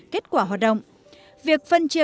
kết quả hoạt động việc phân chia